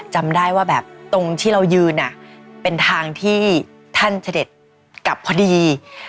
จำได้ว่าแบบตรงที่เรายืนเป็นทางที่ท่านเสด็จกลับพอดี